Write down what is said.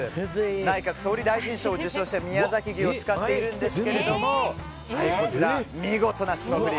内閣総理大臣賞を受賞した宮崎牛を使っているんですが見事な霜降り。